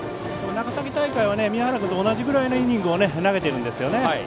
長崎大会は宮原君と同じぐらいのイニングを投げているんですよね。